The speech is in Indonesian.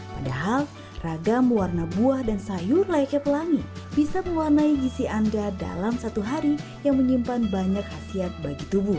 padahal ragam warna buah dan sayur layaknya pelangi bisa mewarnai gisi anda dalam satu hari yang menyimpan banyak khasiat bagi tubuh